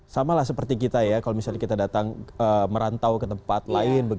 samalah seperti kita ya kalau misalnya kita datang merantau ke tempat lain begitu saja